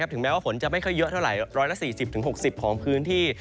ถึงแม้ว่าฝนจะไม่ค่อยเยอะเท่าไหร่๑๔๐๖๐ของพื้นที่